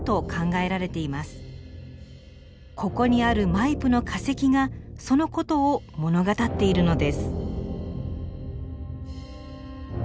ここにあるマイプの化石がそのことを物語っているのです。